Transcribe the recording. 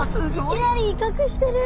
いきなり威嚇してる。